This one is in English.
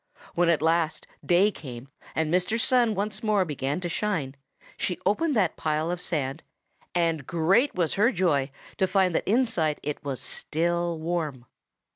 When at last day came and Mr. Sun once more began to shine, she opened that pile of sand and great was her joy to find that inside it was still warm.